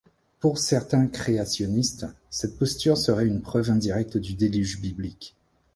Pour certains créationnistes, cette posture serait une preuve indirecte du Déluge biblique.